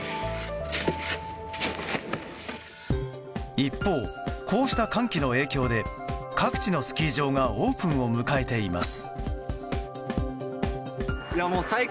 一方、こうした寒気の影響で各地のスキー場がオープンを迎えています。